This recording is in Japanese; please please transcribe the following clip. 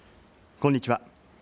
こんにちは。